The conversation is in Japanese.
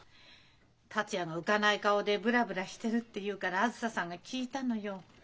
達也が浮かない顔でブラブラしてるっていうからあづささんが聞いたのよ。